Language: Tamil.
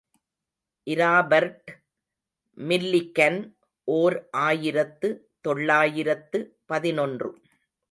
இராபர்ட் மில்லிகன், ஓர் ஆயிரத்து தொள்ளாயிரத்து பதினொன்று .